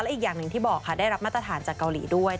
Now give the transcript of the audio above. อีกอย่างหนึ่งที่บอกค่ะได้รับมาตรฐานจากเกาหลีด้วย